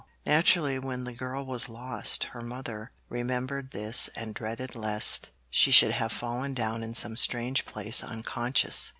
Naturally when the girl was lost her mother remembered this and dreaded lest she should have fallen down in some strange place unconscious.